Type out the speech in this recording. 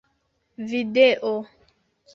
video